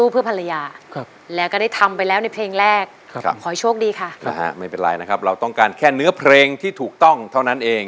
เพื่อคอยยิ้มให้ร้อง